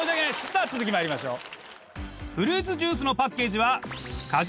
さぁ続きまいりましょう。